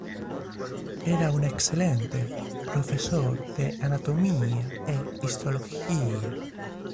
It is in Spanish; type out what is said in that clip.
Era un excelente profesor de anatomía e histología.